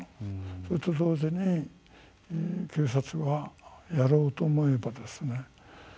それと同時に警察はやろうと思えばですね